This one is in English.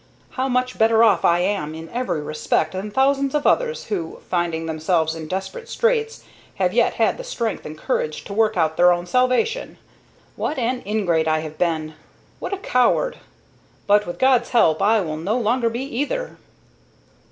How much better off I am in every respect than thousands of others, who, finding themselves in desperate straits, have yet had the strength and courage to work out their own salvation! What an ingrate I have been! What a coward! But, with God's help, I will no longer be either!"